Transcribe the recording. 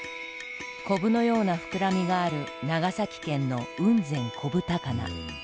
コブのような膨らみがある長崎県の「雲仙こぶ高菜」。